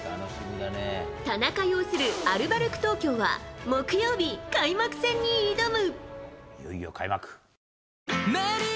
田中擁するアルバルク東京は木曜日、開幕戦に挑む。